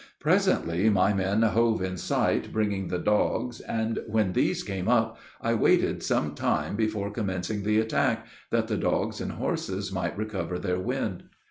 Presently my men hove in sight, bringing the dogs; and when these came up, I waited some time before commencing the attack, that the dogs and horses might recover their wind.